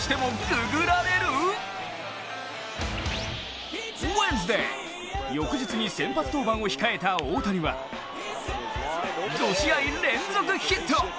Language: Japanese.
ウエンズデー、翌日に先発登板を控えた大谷は、５試合連続ヒット。